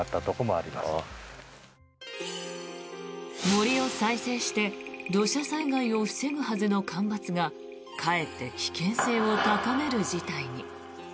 森を再生して土砂災害を防ぐはずの間伐がかえって危険性を高める事態に。